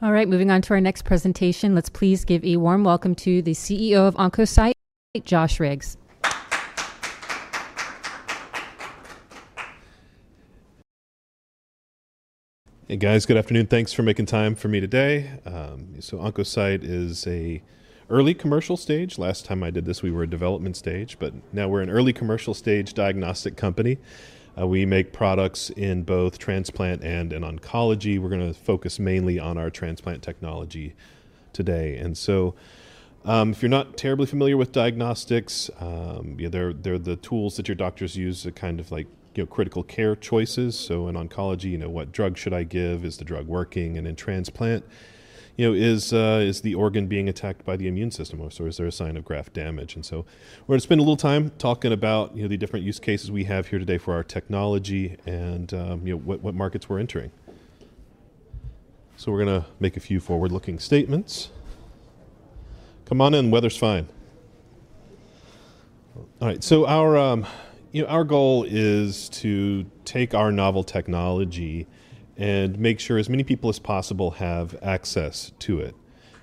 All right, moving on to our next presentation. Let's please give a warm welcome to the CEO of Oncocyte, Josh Riggs. Hey guys, good afternoon. Thanks for making time for me today, so Oncocyte is an early commercial stage. Last time I did this, we were a development stage, but now we're an early commercial stage diagnostic company. We make products in both transplant and in oncology. We're going to focus mainly on our transplant technology today, and so if you're not terribly familiar with diagnostics, they're the tools that your doctors use to kind of like critical care choices, so in oncology, you know, what drug should I give? Is the drug working, and in transplant, you know, is the organ being attacked by the immune system, or is there a sign of graft damage, and so we're going to spend a little time talking about the different use cases we have here today for our technology and what markets we're entering. So we're going to make a few forward-looking statements. Come on in, weather's fine. All right, so our goal is to take our novel technology and make sure as many people as possible have access to it.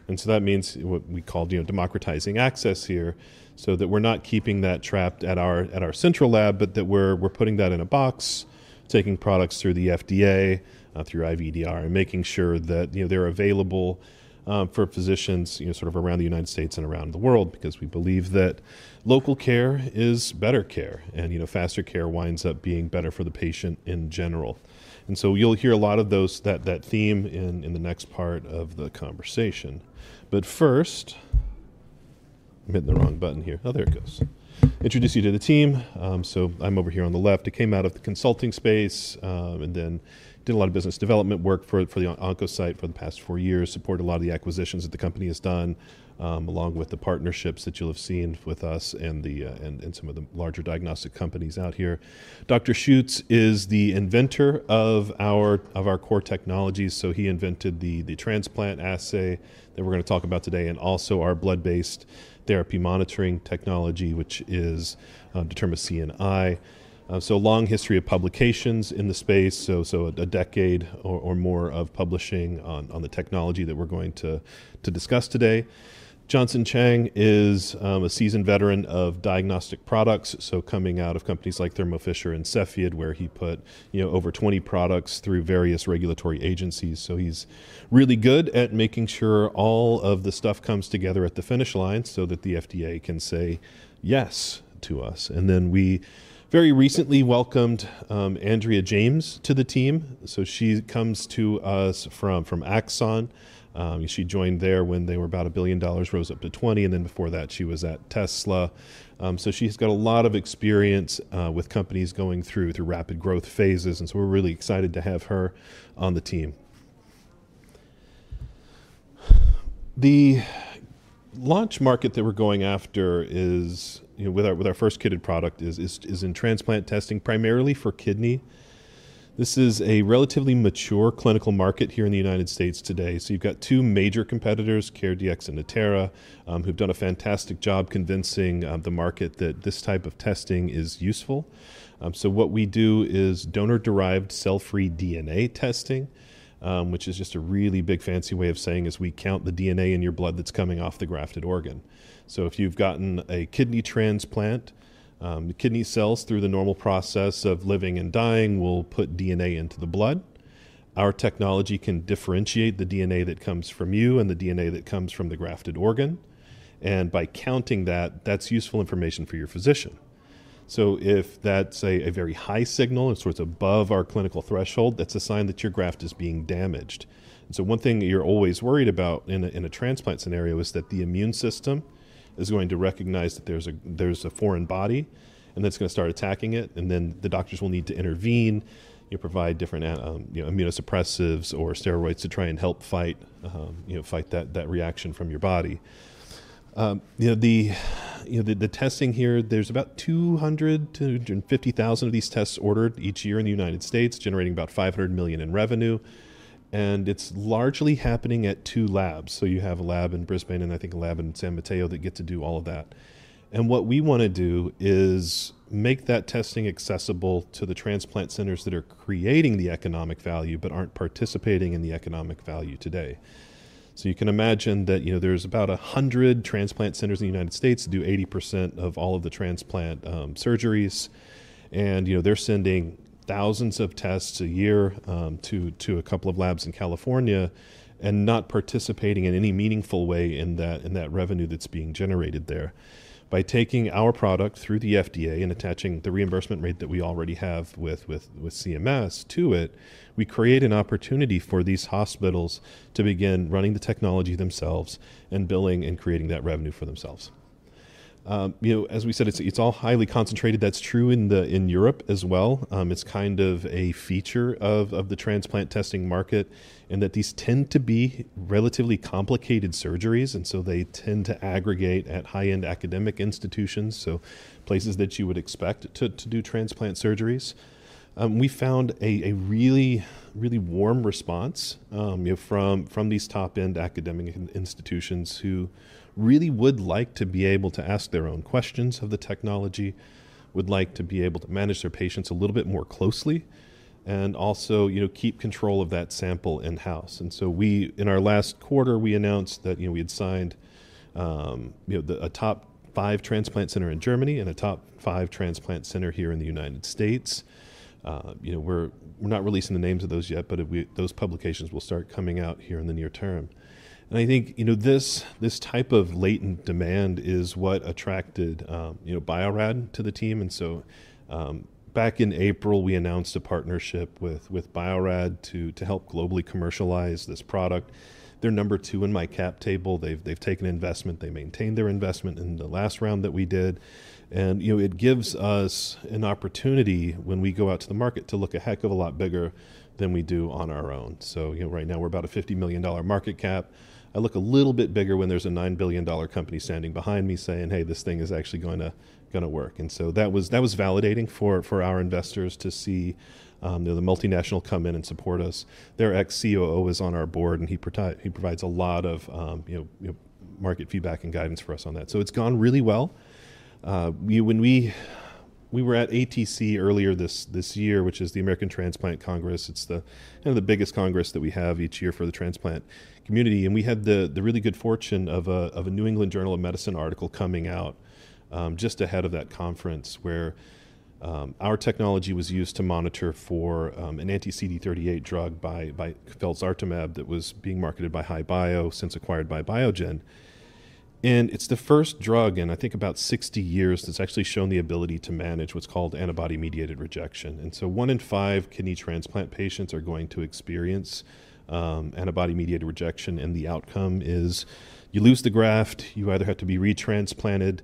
And so that means what we call democratizing access here so that we're not keeping that trapped at our central lab, but that we're putting that in a box, taking products through the FDA, through IVDR, and making sure that they're available for physicians sort of around the United States and around the world because we believe that local care is better care. And faster care winds up being better for the patient in general. And so you'll hear a lot of that theme in the next part of the conversation. But first, I'm hitting the wrong button here. Oh, there it goes. Introduce you to the team. I'm over here on the left. It came out of the consulting space and then did a lot of business development work for the Oncocyte for the past four years, supported a lot of the acquisitions that the company has done, along with the partnerships that you'll have seen with us and some of the larger diagnostic companies out here. Dr. Schütz is the inventor of our core technologies. He invented the transplant assay that we're going to talk about today and also our blood-based therapy monitoring technology, which is DetermaCNI. Long history of publications in the space, so a decade or more of publishing on the technology that we're going to discuss today. Johnson Chang is a seasoned veteran of diagnostic products, so coming out of companies like Thermo Fisher and Cepheid, where he put over 20 products through various regulatory agencies. He is really good at making sure all of the stuff comes together at the finish line so that the FDA can say yes to us. We very recently welcomed Andrea James to the team. She comes to us from Axon. She joined there when they were about $1 billion, rose up to $20 billion, and then before that, she was at Tesla. She has got a lot of experience with companies going through rapid growth phases. We are really excited to have her on the team. The launch market that we are going after with our first kitted product is in transplant testing, primarily for kidney. This is a relatively mature clinical market here in the United States today. You have got two major competitors, CareDx and Natera, who have done a fantastic job convincing the market that this type of testing is useful. So what we do is donor-derived cell-free DNA testing, which is just a really big fancy way of saying as we count the DNA in your blood that's coming off the grafted organ. So if you've gotten a kidney transplant, the kidney cells, through the normal process of living and dying, will put DNA into the blood. Our technology can differentiate the DNA that comes from you and the DNA that comes from the grafted organ. And by counting that, that's useful information for your physician. So if that's a very high signal, it's above our clinical threshold, that's a sign that your graft is being damaged. And so one thing you're always worried about in a transplant scenario is that the immune system is going to recognize that there's a foreign body and that's going to start attacking it. And then the doctors will need to intervene, provide different immunosuppressives or steroids to try and help fight that reaction from your body. The testing here, there's about 200,000-250,000 of these tests ordered each year in the United States, generating about $500 million in revenue. And it's largely happening at two labs. So you have a lab in Brisbane and I think a lab in San Mateo that get to do all of that. And what we want to do is make that testing accessible to the transplant centers that are creating the economic value but aren't participating in the economic value today. So you can imagine that there's about 100 transplant centers in the United States that do 80% of all of the transplant surgeries. And they're sending thousands of tests a year to a couple of labs in California and not participating in any meaningful way in that revenue that's being generated there. By taking our product through the FDA and attaching the reimbursement rate that we already have with CMS to it, we create an opportunity for these hospitals to begin running the technology themselves and billing and creating that revenue for themselves. As we said, it's all highly concentrated. That's true in Europe as well. It's kind of a feature of the transplant testing market in that these tend to be relatively complicated surgeries. And so they tend to aggregate at high-end academic institutions, so places that you would expect to do transplant surgeries. We found a really, really warm response from these top-end academic institutions who really would like to be able to ask their own questions of the technology, would like to be able to manage their patients a little bit more closely, and also keep control of that sample in-house. And so in our last quarter, we announced that we had signed a top five transplant center in Germany and a top five transplant center here in the United States. We're not releasing the names of those yet, but those publications will start coming out here in the near term. And I think this type of latent demand is what attracted Bio-Rad to the team. And so back in April, we announced a partnership with Bio-Rad to help globally commercialize this product. They're number two in my cap table. They've taken investment. They maintained their investment in the last round that we did. And it gives us an opportunity when we go out to the market to look a heck of a lot bigger than we do on our own. So right now, we're about a $50 million market cap. It looks a little bit bigger when there's a $9 billion company standing behind me saying, "Hey, this thing is actually going to work." And so that was validating for our investors to see the multinational come in and support us. Their ex-COO is on our board, and he provides a lot of market feedback and guidance for us on that. So it's gone really well. We were at ATC earlier this year, which is the American Transplant Congress. It's the biggest congress that we have each year for the transplant community. And we had the really good fortune of a New England Journal of Medicine article coming out just ahead of that conference where our technology was used to monitor for an anti-CD38 drug, felzartamab, that was being marketed by HI-Bio since acquired by Biogen. And it's the first drug in, I think, about 60 years that's actually shown the ability to manage what's called antibody-mediated rejection. And so one in five kidney transplant patients are going to experience antibody-mediated rejection. And the outcome is you lose the graft, you either have to be retransplanted,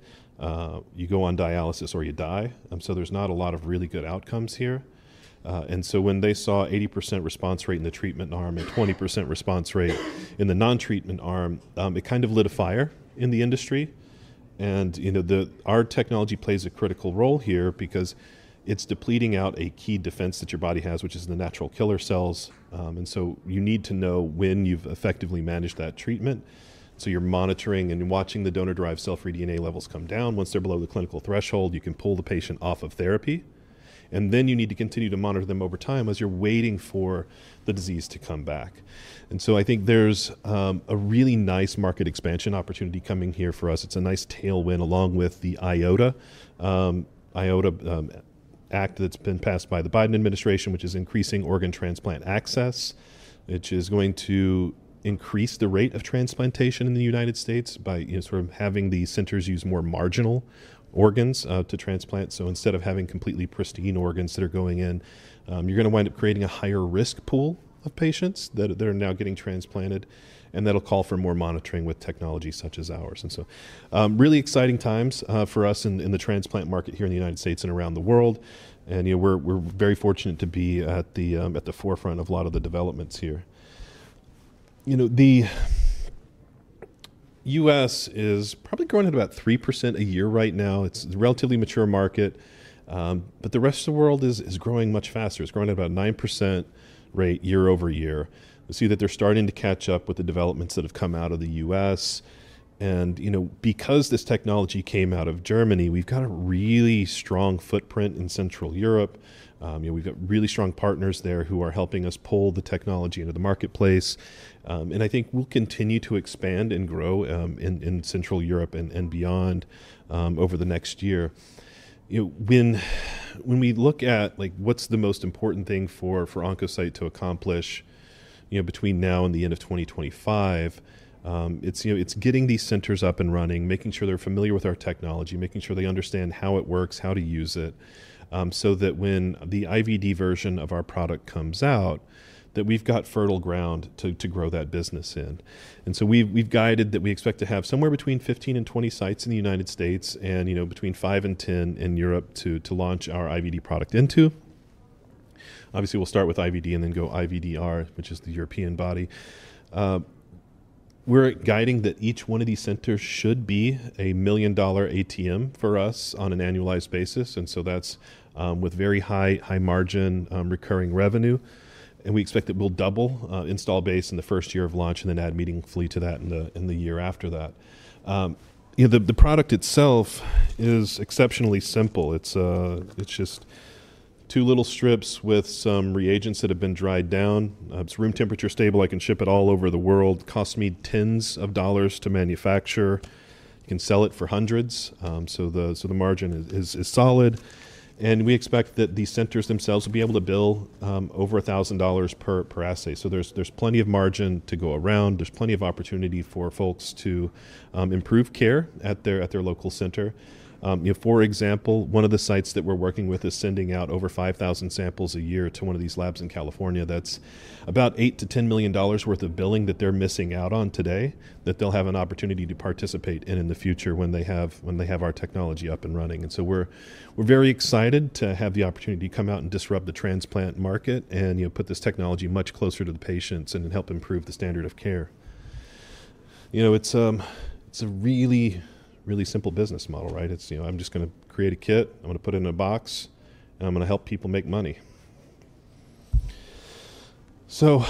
you go on dialysis, or you die. And so there's not a lot of really good outcomes here. And so when they saw 80% response rate in the treatment arm and 20% response rate in the non-treatment arm, it kind of lit a fire in the industry. And our technology plays a critical role here because it's depleting out a key defense that your body has, which is the natural killer cells. And so you need to know when you've effectively managed that treatment. So you're monitoring and watching the donor-derived cell-free DNA levels come down. Once they're below the clinical threshold, you can pull the patient off of therapy. And then you need to continue to monitor them over time as you're waiting for the disease to come back. And so I think there's a really nice market expansion opportunity coming here for us. It's a nice tailwind along with the NOTA Act that's been passed by the Biden administration, which is increasing organ transplant access, which is going to increase the rate of transplantation in the United States by sort of having the centers use more marginal organs to transplant. So instead of having completely pristine organs that are going in, you're going to wind up creating a higher risk pool of patients that are now getting transplanted. And that'll call for more monitoring with technology such as ours. And so really exciting times for us in the transplant market here in the United States and around the world. And we're very fortunate to be at the forefront of a lot of the developments here. The U.S. is probably growing at about 3% a year right now. It's a relatively mature market. But the rest of the world is growing much faster. It's growing at about a 9% rate year over year. We see that they're starting to catch up with the developments that have come out of the U.S. And because this technology came out of Germany, we've got a really strong footprint in Central Europe. We've got really strong partners there who are helping us pull the technology into the marketplace. And I think we'll continue to expand and grow in Central Europe and beyond over the next year. When we look at what's the most important thing for Oncocyte to accomplish between now and the end of 2025, it's getting these centers up and running, making sure they're familiar with our technology, making sure they understand how it works, how to use it, so that when the IVD version of our product comes out, that we've got fertile ground to grow that business in. And so we've guided that we expect to have somewhere between 15 and 20 sites in the United States and between five and 10 in Europe to launch our IVD product into. Obviously, we'll start with IVD and then go IVDR, which is the European body. We're guiding that each one of these centers should be a million-dollar ATM for us on an annualized basis. And so that's with very high margin recurring revenue. And we expect that we'll double installed base in the first year of launch and then add meaningfully to that in the year after that. The product itself is exceptionally simple. It's just two little strips with some reagents that have been dried down. It's room temperature stable. I can ship it all over the world. It costs me tens of dollars to manufacture. You can sell it for hundreds. So the margin is solid. And we expect that the centers themselves will be able to bill over $1,000 per assay. So there's plenty of margin to go around. There's plenty of opportunity for folks to improve care at their local center. For example, one of the sites that we're working with is sending out over 5,000 samples a year to one of these labs in California. That's about $8 million-$10 million worth of billing that they're missing out on today that they'll have an opportunity to participate in in the future when they have our technology up and running. And so we're very excited to have the opportunity to come out and disrupt the transplant market and put this technology much closer to the patients and help improve the standard of care. It's a really, really simple business model, right? It's, "I'm just going to create a kit. I'm going to put it in a box, and I'm going to help people make money." So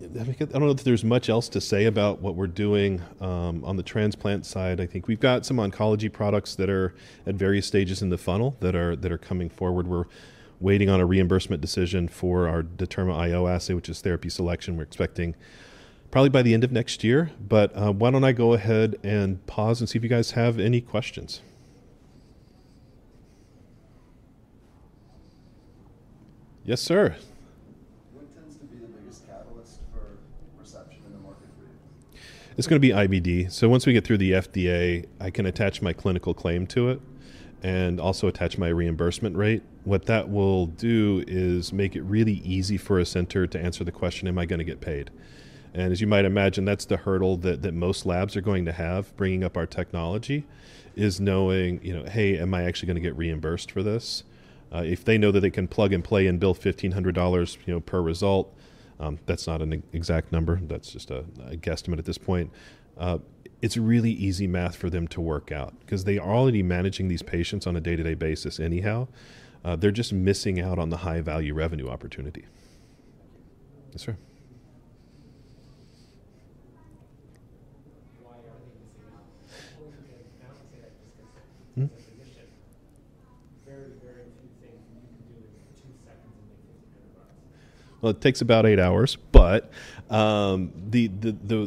I don't know if there's much else to say about what we're doing on the transplant side. I think we've got some oncology products that are at various stages in the funnel that are coming forward. We're waiting on a reimbursement decision for our DetermaIO assay, which is therapy selection. We're expecting probably by the end of next year. But why don't I go ahead and pause and see if you guys have any questions? Yes, sir. What tends to be the biggest catalyst for reception in the market for you? It's going to be IVD. So once we get through the FDA, I can attach my clinical claim to it and also attach my reimbursement rate. What that will do is make it really easy for a center to answer the question, "Am I going to get paid?" And as you might imagine, that's the hurdle that most labs are going to have bringing up our technology is knowing, "Hey, am I actually going to get reimbursed for this?" If they know that they can plug and play and bill $1,500 per result, that's not an exact number. That's just a guesstimate at this point. It's really easy math for them to work out because they are already managing these patients on a day-to-day basis anyhow. They're just missing out on the high-value revenue opportunity. Yes, sir. Why are they missing out? What would you say? Now, you say that just because of the condition. Very, very few things that you can do in two seconds and make $50 million. It takes about eight hours.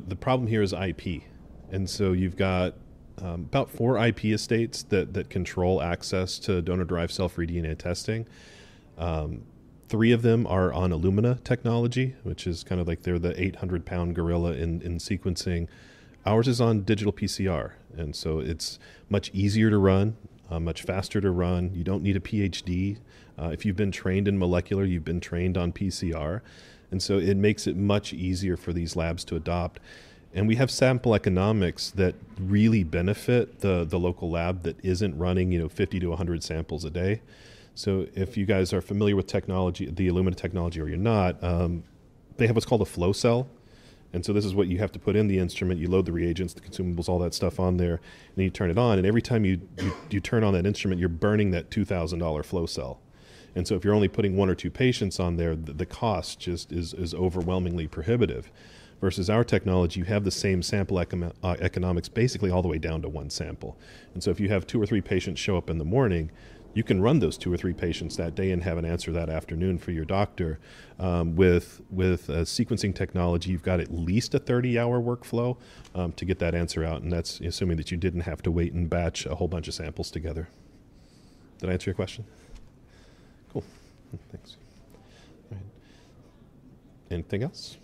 The problem here is IP. You've got about four IP estates that control access to donor-derived cell-free DNA testing. Three of them are on Illumina technology, which is kind of like they're the 800-pound gorilla in sequencing. Ours is on digital PCR. It's much easier to run, much faster to run. You don't need a PhD. If you've been trained in molecular, you've been trained on PCR. It makes it much easier for these labs to adopt. We have sample economics that really benefit the local lab that isn't running 50-100 samples a day. If you guys are familiar with the Illumina technology or you're not, they have what's called a flow cell. This is what you have to put in the instrument. You load the reagents, the consumables, all that stuff on there. And then you turn it on. And every time you turn on that instrument, you're burning that $2,000 flow cell. And so if you're only putting one or two patients on there, the cost just is overwhelmingly prohibitive. Versus our technology, you have the same sample economics basically all the way down to one sample. And so if you have two or three patients show up in the morning, you can run those two or three patients that day and have an answer that afternoon for your doctor. With sequencing technology, you've got at least a 30-hour workflow to get that answer out. And that's assuming that you didn't have to wait and batch a whole bunch of samples together. Did I answer your question? Cool. Thanks. All right. Anything else?